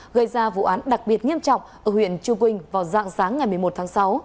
gây ra vụ án đặc biệt nghiêm trọng ở huyện chư quynh vào dạng sáng ngày một mươi một tháng sáu